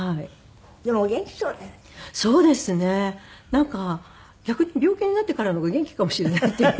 なんか逆に病気になってからの方が元気かもしれないっていう。